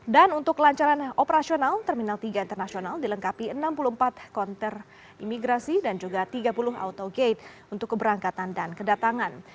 dan untuk kelancaran operasional terminal tiga internasional dilengkapi enam puluh empat konter imigrasi dan juga tiga puluh auto gate untuk keberangkatan dan kedatangan